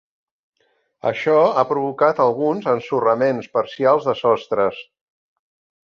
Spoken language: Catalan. Això ha provocat alguns ensorraments parcials de sostres.